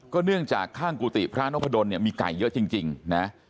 เนื่องจากข้างกุฏิพระนพดลเนี่ยมีไก่เยอะจริงนะ